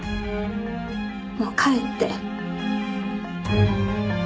もう帰って。